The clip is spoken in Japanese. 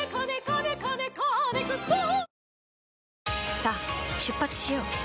さあ出発しよう。